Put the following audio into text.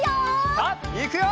さあいくよ！